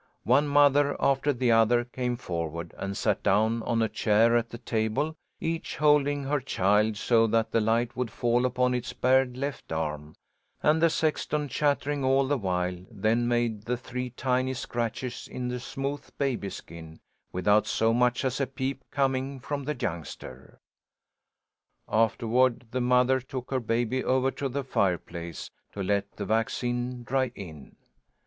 One mother after the other came forward and sat down on a chair at the table, each holding her child so that the light would fall upon its bared left arm; and the sexton, chattering all the while, then made the three tiny scratches in the smooth baby skin, without so much as a peep coming from the youngster. Afterward the mother took her baby over to the fireplace to let the vaccine dry in.